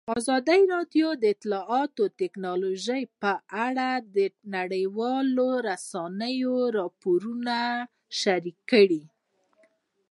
ازادي راډیو د اطلاعاتی تکنالوژي په اړه د نړیوالو رسنیو راپورونه شریک کړي.